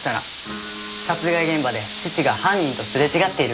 殺害現場で父が犯人とすれ違っている可能性が高い。